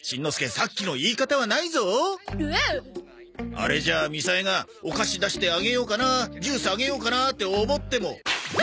あれじゃみさえがお菓子出してあげようかなジュースあげようかなって思っても「何？